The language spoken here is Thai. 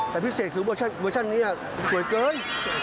แต่พิเศษคือเวอร์ชันนี้สวยเกิน